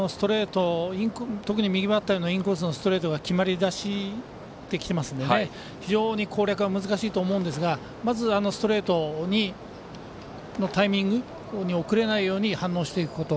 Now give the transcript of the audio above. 右バッターへのインコース決まりだしてきていますので非常に攻略が難しいと思うんですがまずストレートのタイミングに遅れないように反応していくこと。